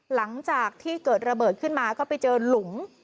หลังจากที่เกิดระเบิดขึ้นมาก็ไปเจอหลุม